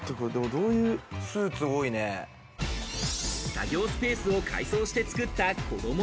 作業スペースを改装して作った子ども